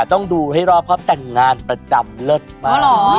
ต้องดูให้รอบเพราะแต่งงานประจำเลิศมาก